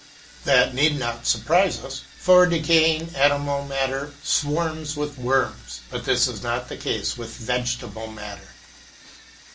That need not surprise us, for decaying animal matter swarms with worms, but this is not the case with vegetable matter.